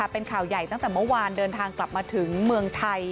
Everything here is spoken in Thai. เป็นข่าวใหญ่ตั้งแต่เมื่อวานเดินทางกลับมาถึงเมืองไทย